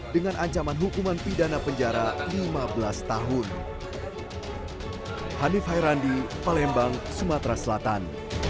dengan ancaman hukuman pidana penjara lima belas tahun